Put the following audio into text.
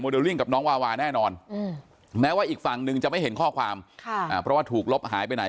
เลลิ่งกับน้องวาวาแน่นอนแม้ว่าอีกฝั่งหนึ่งจะไม่เห็นข้อความเพราะว่าถูกลบหายไปไหน